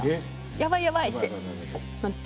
やばいやばいってなって。